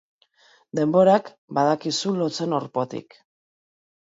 Denborak badaki zu lotzen orpotik.